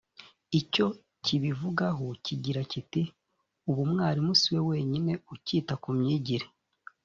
icyo kibivugaho kigira kiti ubu umwarimu si we wenyine ucyita ku myigire